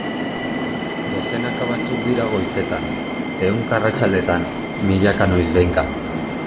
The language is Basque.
Dozenaka batzuk dira goizetan, ehunka arratsaldetan, milaka noizbehinka...